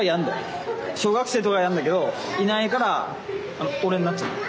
小学生とかがやんだけどいないから俺になっちゃった。